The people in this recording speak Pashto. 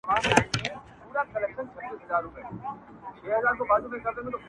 • زمري وخوړم کولمې یووړې ګیدړي -